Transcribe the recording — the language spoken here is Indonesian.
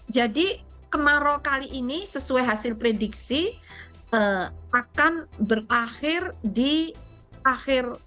jadi kemarau kali ini sesuai hasil prediksi akan berakhir di akhir